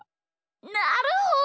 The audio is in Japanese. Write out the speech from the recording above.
なるほど！